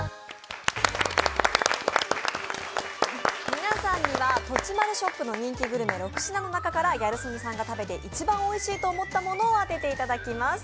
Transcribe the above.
皆さんにはとちまるショップの人気グルメ６品の中からギャル曽根さんが食べて一番おいしいと思ったものを当ててもらいます。